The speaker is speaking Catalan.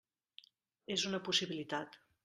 És una possibilitat.